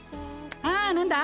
ああ何だ？